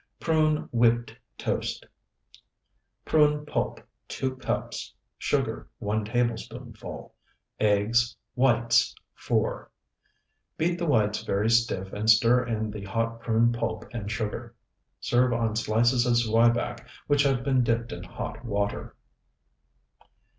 PRUNE WHIPPED TOAST Prune pulp, 2 cups. Sugar, 1 tablespoonful. Eggs, whites, 4. Beat the whites very stiff and stir in the hot prune pulp and sugar. Serve on slices of zwieback which have been dipped in hot water.